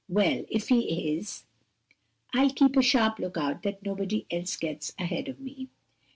Well, if he is I'll keep a sharp look out that nobody else gets ahead of me."